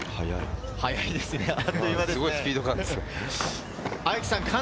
速い、すごいスピード感です。